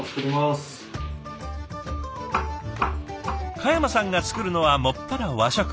嘉山さんが作るのは専ら和食。